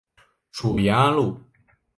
属延安路。